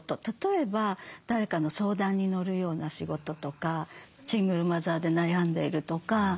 例えば誰かの相談に乗るような仕事とかシングルマザーで悩んでいるとか。